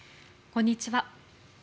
こんにちは。